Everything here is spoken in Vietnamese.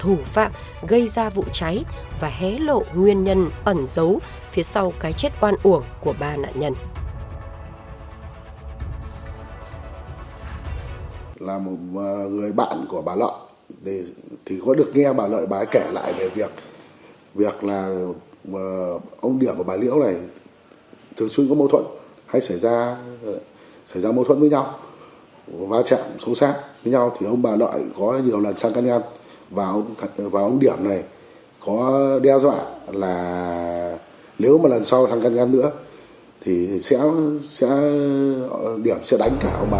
ông điểm là thủ phạm gây ra vụ cháy và hé lộ nguyên nhân ẩn dấu phía sau cái chết oan uổng của ba nạn nhân